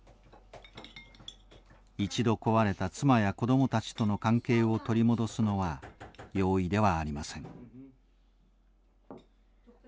一度壊れた妻や子供たちとの関係を取り戻すのは容易ではありません。